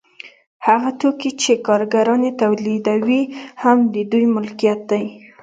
هغه توکي چې کارګران یې تولیدوي هم د دوی ملکیت دی